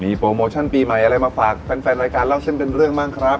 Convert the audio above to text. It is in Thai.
โปรโมชั่นปีใหม่อะไรมาฝากแฟนรายการเล่าเส้นเป็นเรื่องบ้างครับ